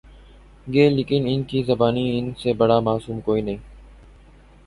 گے لیکن ان کی زبانی ان سے بڑا معصوم کوئی نہیں۔